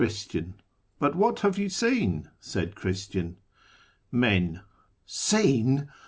—' But what have you seen ?' said Christian. "Mex. —' Seen